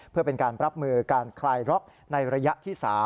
เพื่อเป็นการรับมือการคลายล็อกในระยะที่๓